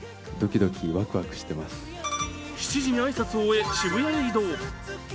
７時に挨拶を終え、渋谷へ移動。